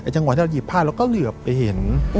จังหวะที่เราหยิบผ้าเราก็เหลือไปเห็น